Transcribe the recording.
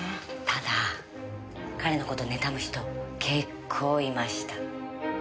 ただ彼の事妬む人結構いました。